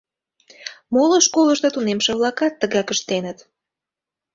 Моло школышто тунемше-влакат тыгак ыштеныт.